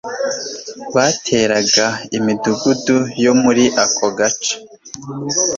bateraga imidugudu yo muri ako gace